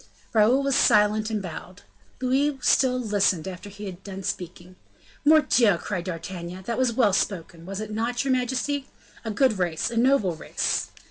Raoul was silent and bowed. Louis still listened after he had done speaking. "Mordioux!" cried D'Artagnan, "that was well spoken! was it not, your majesty? A good race! a noble race!"